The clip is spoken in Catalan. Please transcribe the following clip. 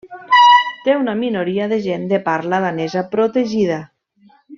Té una minoria de gent de parla danesa protegida.